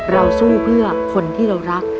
เราสู้เพื่อคนที่เรารัก